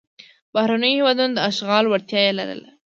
د بهرنیو هېوادونو د اشغال وړتیا یې لرله.